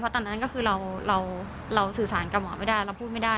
ตอนนั้นก็คือเราสื่อสารกับหมอไม่ได้เราพูดไม่ได้